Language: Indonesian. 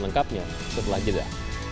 lengkapnya setelah jeda